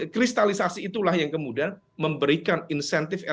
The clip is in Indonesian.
kristalisasi itulah yang kemudian memberikan insentif